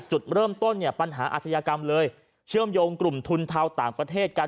จุดเริ่มต้นเนี่ยปัญหาอาชญากรรมเลยเชื่อมโยงกลุ่มทุนเทาต่างประเทศกัน